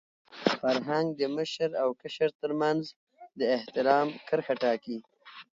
فرهنګ د مشر او کشر تر منځ د احترام کرښه ټاکي.